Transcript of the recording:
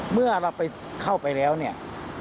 เมื่อเราไปเข้าไปแล้วเนี่ย